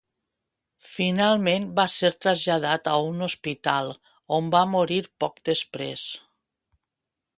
Finalment va ser traslladat a un hospital on va morir poc després.